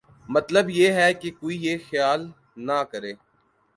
مطلب یہ ہے کہ کوئی یہ خیال نہ کرے